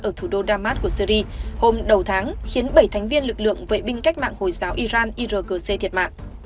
ở thủ đô damas của syri hôm đầu tháng khiến bảy thành viên lực lượng vệ binh cách mạng hồi giáo iran irgc thiệt mạng